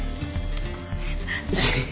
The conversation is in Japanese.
ごめんなさい。